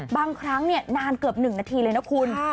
บางครั้งเนี่ยนานเกือบหนึ่งนาทีเลยนะคุณ